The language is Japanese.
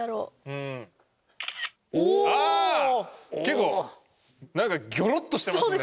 結構なんかギョロッとしてますね。